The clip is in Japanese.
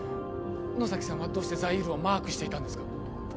野崎さんはどうしてザイールをマークしていたんですか？